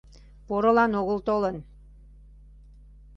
Порылан огыл толын...